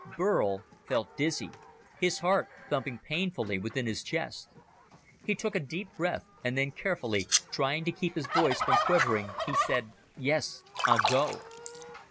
Burl felt dizzy, his heart thumping painfully within his chest. He took a deep breath, and then carefully, trying to keep his voice from quivering, he said, "Yes, I'll go."